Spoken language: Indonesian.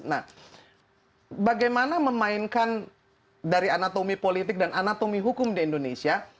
nah bagaimana memainkan dari anatomi politik dan anatomi hukum di indonesia